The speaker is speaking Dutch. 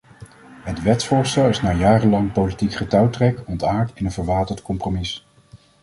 Het wetsvoorstel is na jarenlang politiek getouwtrek ontaard in een verwaterd compromis.